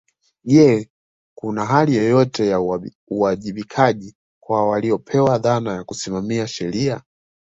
Je kuna hali yoyote ya uwajibikaji kwa waliopewa dhana ya kusimamia sheria